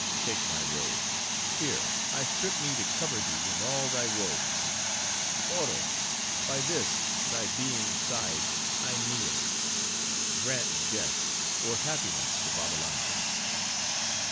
Take my robe:— here, I strip me to cover thee and all thy woes. Oro! by this, thy being's side, I kneel:—grant death or happiness to Babbalanja!"